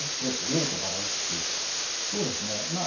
量とバランスということですが。